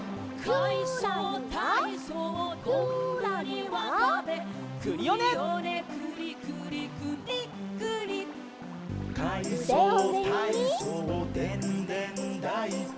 「かいそうたいそうでんでんだいこ」